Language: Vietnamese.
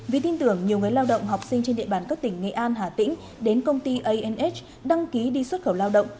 vì tin tưởng nhiều người lao động học sinh trên địa bàn các tỉnh nghệ an hà tĩnh đến công ty anh đăng ký đi xuất khẩu lao động